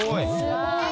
すごい。